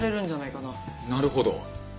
なるほど！